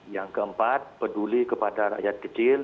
yang keempat peduli kepada rakyat kecil